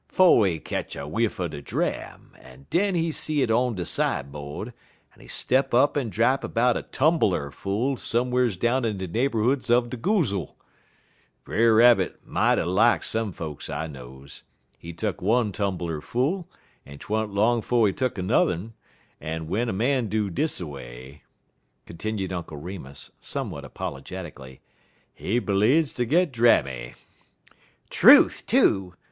" 'Fo' he ketch a whiff er de dram, en den he see it on de side bode, en he step up en drap 'bout a tumbeler full some'rs down in de neighborhoods er de goozle. Brer Rabbit mighty lak some folks I knows. He tuck one tumbeler full, en 't wa'n't long 'fo' he tuck 'n'er'n, en w'en a man do dis a way," continued Uncle Remus, somewhat apologetically, "he bleedz ter git drammy." "Truth, too!"